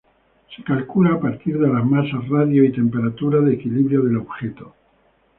Se calcula a partir de la masa, radio y temperatura de equilibrio del objeto.